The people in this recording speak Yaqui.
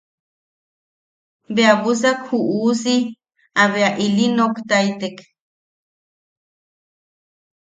Bea busak ju uusi a bea ili noktaitek.